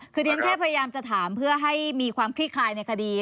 คือเรียนแค่พยายามจะถามเพื่อให้มีความคลี่คลายในคดี